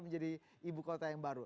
menjadi ibu kota yang baru